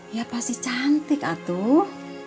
iya pasti cantik atuh